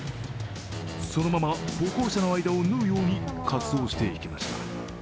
そのまま歩行者の間を縫うように滑走していきました。